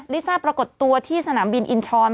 ลิซ่าปรากฏตัวที่สนามบินอินชร